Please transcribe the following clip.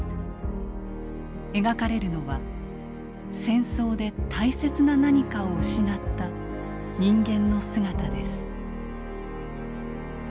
描かれるのは戦争で大切な何かを失った人間の姿です。